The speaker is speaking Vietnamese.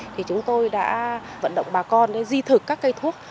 thì chúng tôi đã vận động bà con di thực các cây thuốc